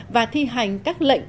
và thi hành các lệnh